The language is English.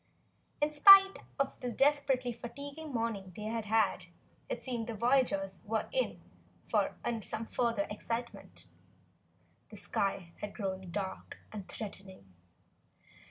In spite of the desperately fatiguing morning they had had, it seemed the voyagers were in for some further excitement. The sky had grown dark and threatening.